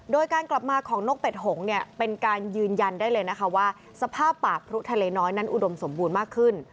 โดยการกลับมาของนกเป็ดหงเนี่ยเป็นการยืนยันได้เลยนะคะว่าสภาพป่าพรุทะเลน้อยนั้นอุดมสมบูรณ์มากขึ้น